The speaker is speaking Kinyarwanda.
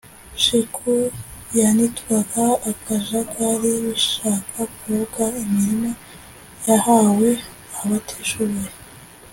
Shiku yanitwaga akajagari bishaka kuvuga imirima yahawe abatishoboye